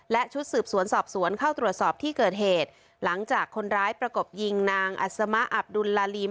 และชุดสืบสวนสอบสวนเข้าตรวจสอบที่เกิดเหตุหลังจากคนร้ายประกบยิงนางอัศมะอับดุลลาลีม